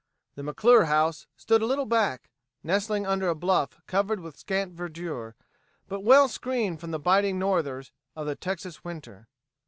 The McClure house stood a little back, nestling under a bluff covered with scant verdure, but well screened from the biting northers of the Texas winter.